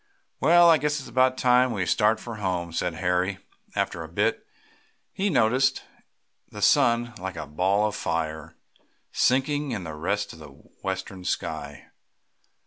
"Well, I guess it's about time we started for home," said Harry, after a bit, as he noticed the sun, like a ball of fire, sinking to rest in the western sky.